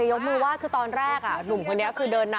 ยกมือยดูเฉยดูยิ้มต้องกดซะ